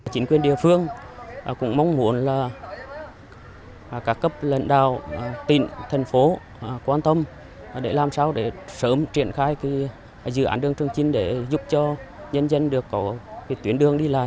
chính quyền địa phương cũng mong muốn là các cấp lãnh đạo tỉnh thành phố quan tâm để làm sao để sớm triển khai dự án đường trường trinh để giúp cho nhân dân được có tuyến đường đi lại